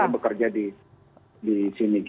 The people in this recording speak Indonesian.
untuk pekerja di sini